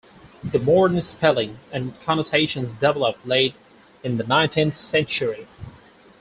The modern spelling and connotations developed late in the nineteenth century.